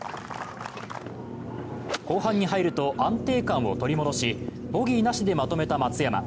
後半に入ると安定感を取り戻し、ボギーなしでまとめた松山。